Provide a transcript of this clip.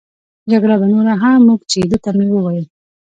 جګړه به نوره هم اوږد شي، ده ته مې وویل.